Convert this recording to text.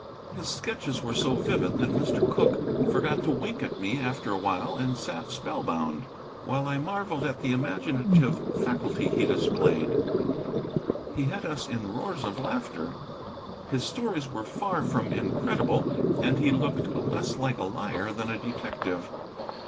His sketches were so vivid that Mr. Cooke forgot to wink at me after a while and sat spellbound, while I marvelled at the imaginative faculty he displayed. He had us in roars of laughter. His stories were far from incredible, and he looked less like a liar than a detective.